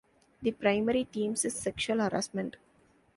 The primary theme is sexual harassment.